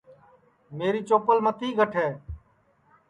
میری چوپل متی گٹھے